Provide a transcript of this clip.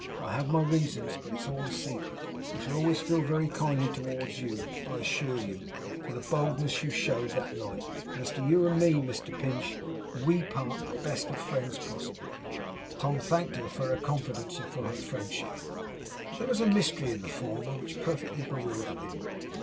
I have my reasons, but it's all a secret. I shall always feel very kindly towards you, I assure you, for the boldness you showed that night. As to you and me, Mr Pinch, WE part the best friends possible!' Tom thanked her for her confidence, and for her friendship, but there was a mystery in the former which perfectly bewildered him.